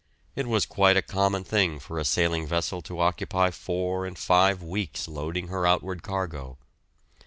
It was quite a common thing for a sailing vessel to occupy four and five weeks loading her outward cargo.